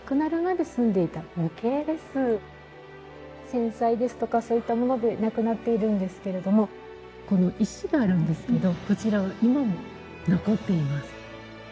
戦災ですとかそういったものでなくなっているんですけれどもこの石があるんですけどこちらは今も残っています。